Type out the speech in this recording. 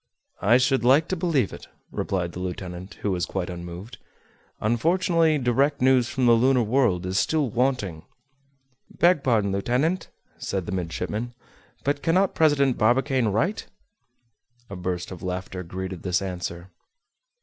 "I should like to believe it," replied the lieutenant, who was quite unmoved. "Unfortunately direct news from the lunar world is still wanting." "Beg pardon, lieutenant," said the midshipman, "but cannot President Barbicane write?" A burst of laughter greeted this answer.